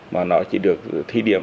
mà nó chỉ được thi điểm